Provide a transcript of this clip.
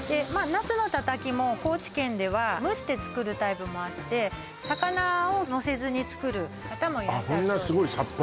ナスのたたきも高知県では蒸して作るタイプもあって魚をのせずに作る方もいらっしゃるそうですあっ